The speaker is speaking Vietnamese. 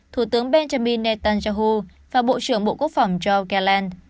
thủ tướng benjamin netanyahu và bộ trưởng bộ quốc phòng joe gallant